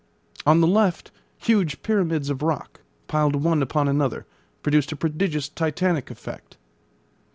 On the left huge pyramids of rock, piled one upon another, produced a prodigious titanic effect.